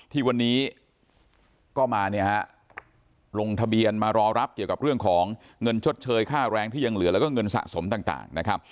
ที่วันนี้ก็มาเนี่ยฮะลงทะเบียนมารอรับเกี่ยวกับเรื่องของเงินชดเชยค่าแรงที่ยังเหลือแล้วก็เงินสะสมต่างนะครับ